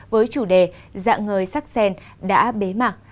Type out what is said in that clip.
với chủ đề dạng người sắc sen đã bế mạc